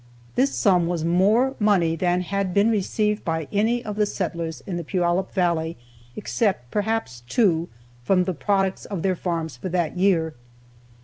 This sum was more money than had been received by any of the settlers in the Puyallup valley, except perhaps two, from the products of their farms for that year.